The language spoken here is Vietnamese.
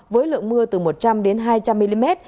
với lượng mưa từ một trăm linh đến hai trăm linh mm